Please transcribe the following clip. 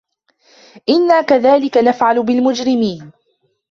إنا كذلك نفعل بالمجرمين